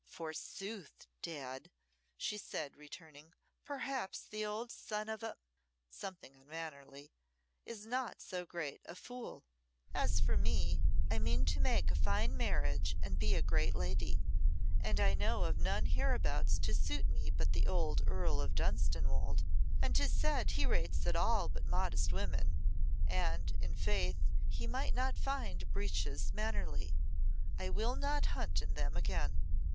"Forsooth, Dad," she said, returning, "perhaps the old son of a " something unmannerly "is not so great a fool. As for me, I mean to make a fine marriage and be a great lady, and I know of none hereabouts to suit me but the old Earl of Dunstanwolde, and 'tis said he rates at all but modest women, and, in faith, he might not find breeches mannerly. I will not hunt in them again."